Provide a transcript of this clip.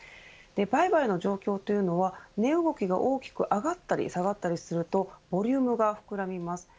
売買の状況というのは値動きが大きく上がったり下がったりするとボリュームが膨らみます。